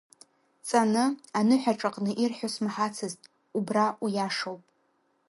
Ҵаны, аныҳәаҿаҟны ирҳәо смаҳацызт, убра уиашоуп!